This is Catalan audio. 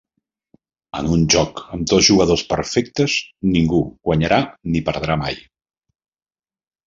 En un joc amb dos jugadors perfectes, ningú guanyarà ni perdrà mai.